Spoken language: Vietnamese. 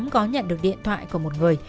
có nhận được điện thoại của một người